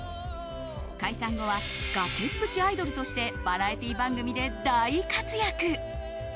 解散後は崖っぷちアイドルとしてバラエティー番組で大活躍。